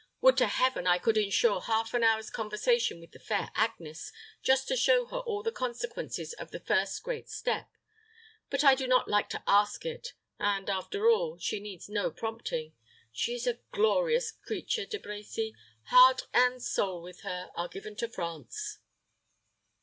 Would to Heaven I could insure half an hour's conversation with the fair Agnes, just to show her all the consequences of the first great step. But I do not like to ask it; and, after all, she needs no prompting. She is a glorious creature, De Brecy. Heart and soul, with her, are given to France."